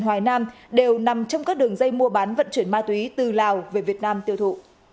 hoài nam đều nằm trong các đường dây mua bán vận chuyển ma túy từ lào về việt nam tiêu thụ